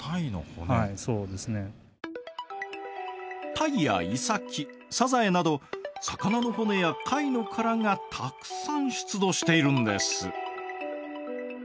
タイやイサキサザエなど魚の骨や貝の殻がたくさん出土しているんです。